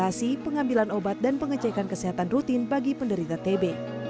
fasilitasi pengambilan obat dan pengecekan kesehatan rutin bagi penderita tb